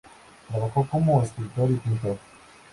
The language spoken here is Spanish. Trabajó como escultor y pintor.